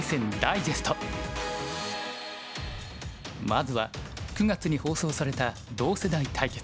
まずは９月に放送された同世代対決。